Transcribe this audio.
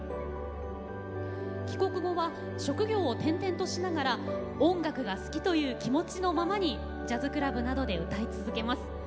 帰国後は職業を転々としながら音楽が好きという気持ちのままにジャズクラブなどで歌い続けます。